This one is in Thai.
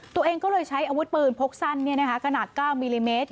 ตัวเองก็เลยใช้อาวุธปืนพกสั้นขนาด๙มิลลิเมตร